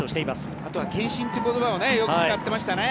あとは献身という言葉をよく使っていましたね。